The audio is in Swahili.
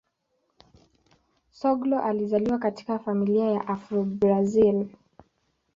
Soglo alizaliwa katika familia ya Afro-Brazil.